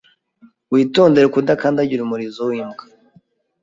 Witondere kudakandagira umurizo wimbwa.